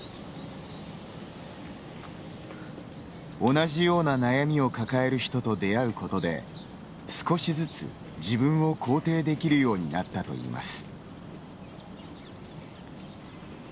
同じような悩みを抱える人と出会うことで、少しずつ自分を肯定できるようになったといいます。